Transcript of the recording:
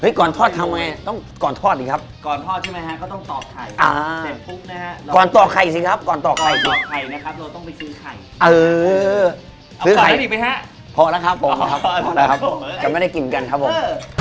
เอาละครับจะไม่ได้กินกันครับผม